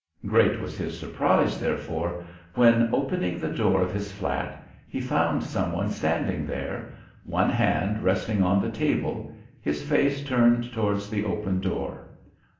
Great was his surprise, therefore, when opening the door of his flat he found some one standing there, one hand resting on the table, his face turned towards the open door.